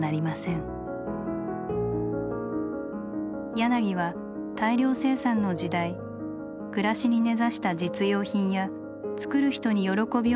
柳は大量生産の時代暮らしに根ざした「実用品」や作る人に喜びをもたらす「手仕事」を重視。